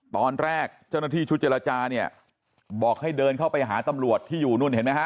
ตอนแรกเจ้าหน้าที่ชุดเจรจาเนี่ยบอกให้เดินเข้าไปหาตำรวจที่อยู่นู่นเห็นไหมฮะ